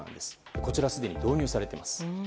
こちらはすでに導入されています。